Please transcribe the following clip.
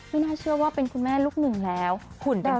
ไม่น่าเชื่อว่าคุณแม่ลูกหนึ่งหลูก๑แล้ว